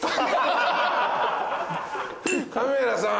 カメラさん！